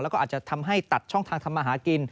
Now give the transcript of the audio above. แล้วก็อาจจะทำให้ตัดช่องทางทำมาหากิน